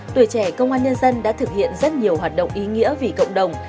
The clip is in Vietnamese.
tuổi trẻ công an nhân dân đã thực hiện rất nhiều hoạt động ý nghĩa vì cộng đồng